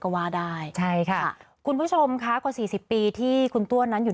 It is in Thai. ก็ว่าได้ใช่ค่ะคุณผู้ชมค่ะกว่าสี่สิบปีที่คุณตัวนั้นอยู่